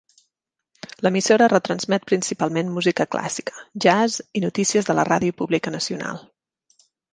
L'emissora retransmet principalment música clàssica, jazz i notícies de la Ràdio Pública Nacional.